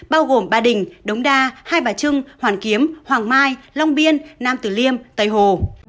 bao gồm ba đình đống đa hai bà trưng hoàn kiếm hoàng mai long biên nam tử liêm tây hồ